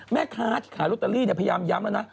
แม่ค้าที่ขายลอตเตอรี่พยายามย้ำแล้วนะ